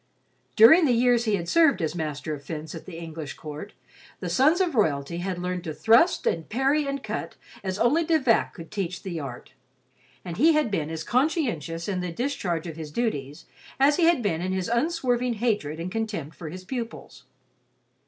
During the years he had served as master of fence at the English Court, the sons of royalty had learned to thrust and parry and cut as only De Vac could teach the art, and he had been as conscientious in the discharge of his duties as he had been in his unswerving hatred and contempt for his pupils.